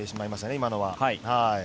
今のは。